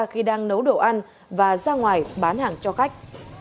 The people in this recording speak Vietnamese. khi đang nấu đồ ăn và ra ngoài bán hàng cho khách